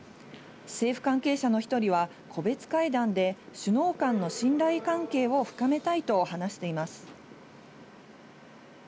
政府関係者の１人は個別会談で首脳間の信頼関係を深めたいと話しています。